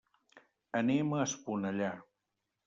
Anem a Esponellà.